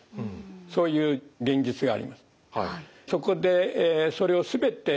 そういう現実があります。